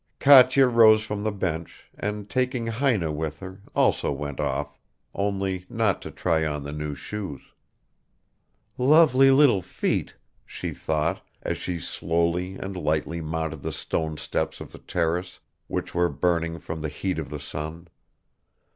Katya rose from the bench, and taking Heine with her, also went off only not to try on the new shoes. "Lovely little feet," she thought, as she slowly and lightly mounted the stone steps of the terrace which were burning from the heat of the sun.